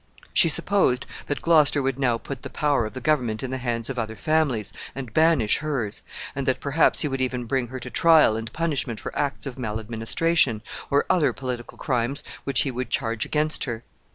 She supposed that Gloucester would now put the power of the government in the hands of other families, and banish hers, and that perhaps he would even bring her to trial and punishment for acts of maladministration, or other political crimes which he would charge against her.